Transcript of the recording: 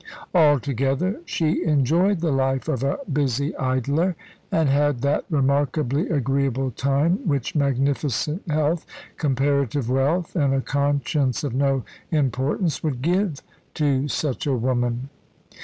Altogether, she enjoyed the life of a busy idler, and had that remarkably agreeable time which magnificent health, comparative wealth, and a conscience of no importance would give to such a woman.